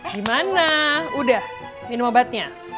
gimana udah minum obatnya